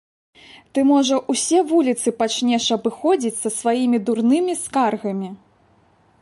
Ты, можа, усе вуліцы пачнеш абыходзіць са сваімі дурнымі скаргамі?